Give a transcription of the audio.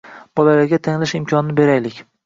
Bolalarga tanlash imkonini beraylik